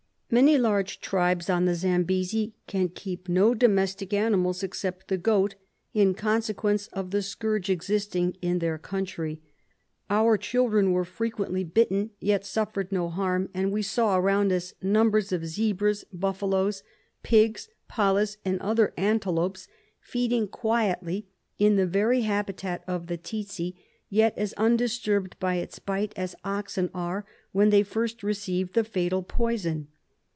" Many large tribes on the Zambesi can keep no domestic animals, except the goat, in consequence of the scourge existing in their country. Our children were frequently bitten, yet suffered no harm ; and we saw around us numbers of zebras, buffaloes, pigs, pallahs and other antelopes feeding quietly in the very habitat of the tsetse, yet as undisturbed by its bite as oxen are when they first receive the fatal poison.